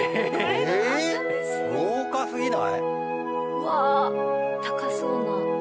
うわっ高そうな。